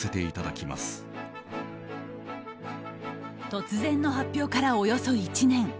突然の発表からおよそ１年。